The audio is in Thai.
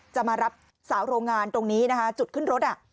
จะมารับสาวโรงงานตรงนี้นะคะจุดขึ้นรถ